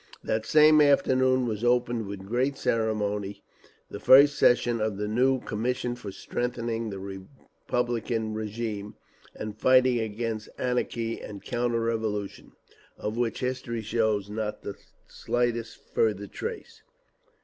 That same afternoon was opened with great ceremony the first session of the new "Commission for Strengthening the Republican Régime and Fighting Against Anarchy and Counter Revolution"—of which history shows not the slightest further trace….